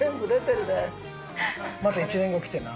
また１年後来てな。